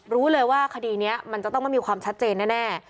รู้เลยว่าคดีนี้มันจะต้องไม่มีความชัดเจนแน่